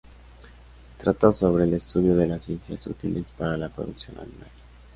Trata sobre el estudio de las ciencias útiles para la producción animal.